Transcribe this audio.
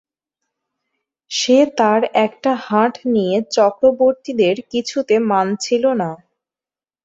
সে তার একটা হাট নিয়ে চক্রবর্তীদের কিছুতে মানছিল না।